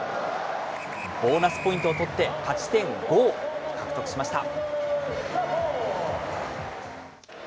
ボーナスポイントを取って、勝ち点５を獲得しました。